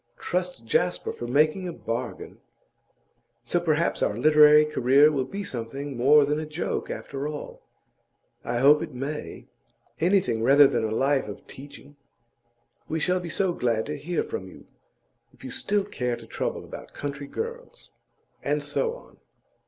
Trust Jasper for making a bargain! So perhaps our literary career will be something more than a joke, after all. I hope it may; anything rather than a life of teaching. We shall be so glad to hear from you, if you still care to trouble about country girls.' And so on.